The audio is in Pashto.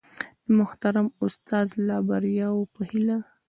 د محترم استاد د لا بریاوو په هیله